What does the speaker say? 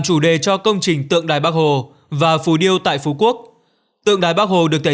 chủ đề cho công trình tượng đài bắc hồ và phù điêu tại phú quốc tượng đài bắc hồ được thể